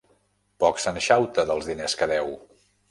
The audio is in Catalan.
Poc se'n xauta, dels diners que deu!